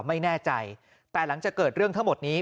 ไม่แน่ใจแต่หลังจากเกิดเรื่องทั้งหมดนี้